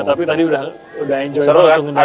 tapi tadi udah enjoy